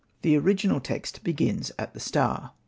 The original text begins at the star.